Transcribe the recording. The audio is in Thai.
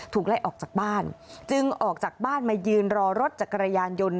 ไล่ออกจากบ้านจึงออกจากบ้านมายืนรอรถจักรยานยนต์